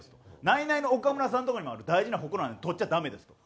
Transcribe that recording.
「ナイナイの岡村さんとかにもある大事なホクロなんで取っちゃダメです」と。